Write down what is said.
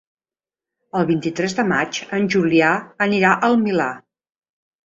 El vint-i-tres de maig en Julià anirà al Milà.